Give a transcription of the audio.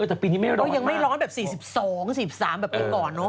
แต่ปีนี้ไม่ร้อนก็ยังไม่ร้อนแบบ๔๒๔๓แบบปีก่อนเนอะ